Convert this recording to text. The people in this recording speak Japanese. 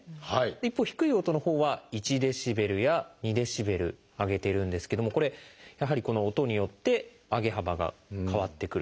一方低い音のほうは１ｄＢや２ｄＢ上げているんですけどもこれやはりこの音によって上げ幅が変わってくると。